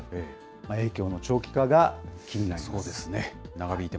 影響の長期化が気になります。